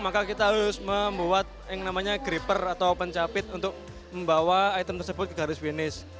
maka kita harus membuat yang namanya gripper atau pencapit untuk membawa item tersebut ke garis finish